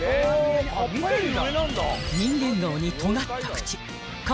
［人間顔にとがった口下